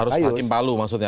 harus hakim palu maksudnya